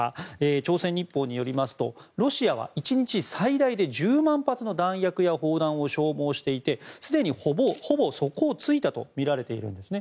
朝鮮日報によりますとロシアは１日最大で１０万発の弾薬や砲弾を消耗していてすでにほぼ底を突いたとみられているんですね。